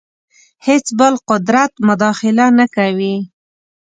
هېڅ بل قدرت مداخله نه کوي.